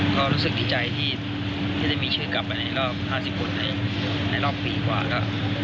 ก็รู้สึกดีใจที่ได้มีชื่อกลับไปในรอบ๕๐คนในรอบปีกว่าแล้ว